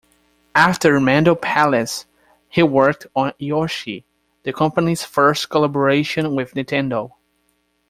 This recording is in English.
After "Mendel Palace", he worked on "Yoshi", the company's first collaboration with Nintendo.